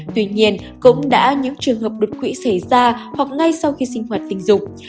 tuy nhiên cũng đã những trường hợp đột quỵ xảy ra hoặc ngay sau khi sinh hoạt tình dục